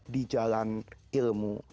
di jalan ilmu